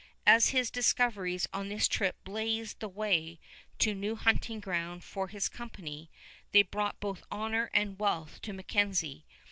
As his discoveries on this trip blazed the way to new hunting ground for his company, they brought both honor and wealth to MacKenzie.